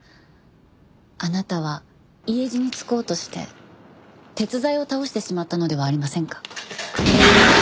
あなたは家路に就こうとして鉄材を倒してしまったのではありませんか？